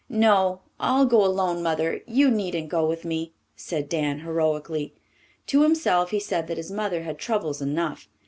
"No, I'll go alone, Mother. You needn't go with me," said Dan heroically. To himself he said that his mother had troubles enough.